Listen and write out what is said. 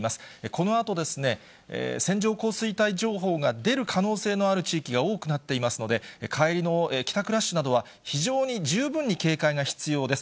このあとですね、線状降水帯情報が出る可能性がある地域が多くなっていますので、帰りの帰宅ラッシュなどは、非常に十分に警戒が必要です。